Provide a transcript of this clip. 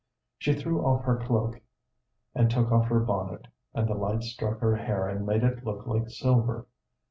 She threw off her cloak and took off her bonnet, and the light struck her hair and made it look like silver.